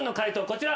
こちら。